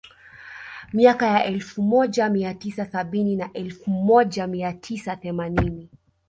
Miaka ya elfu moja mia tisa sabini na elfu moja mia tisa themanini